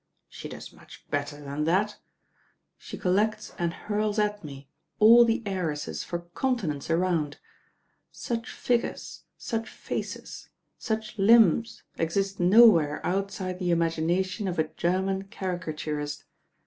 She does much better than that. She collects and hurls at me all the heiresses for continents round. Such figures, such faces, such limbs, exist nowhere outside the imagination of a German caricaturist.